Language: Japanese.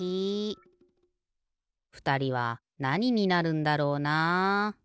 ふたりはなにになるんだろうな？